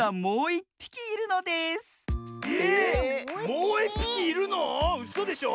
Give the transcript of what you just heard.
もういっぴきいるの⁉うそでしょ。